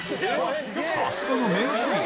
さすがの名推理！